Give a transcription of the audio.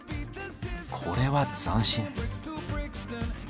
これは斬新。